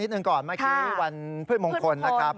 หนึ่งก่อนเมื่อกี้วันพืชมงคลนะครับ